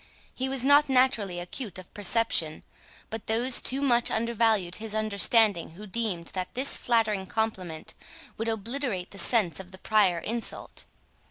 He was not naturally acute of perception, but those too much undervalued his understanding who deemed that this flattering compliment would obliterate the sense of the prior insult.